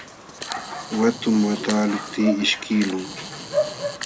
Watum wataqluptii ishkiqlun.